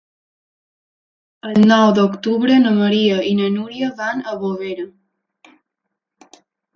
El nou d'octubre na Maria i na Núria van a Bovera.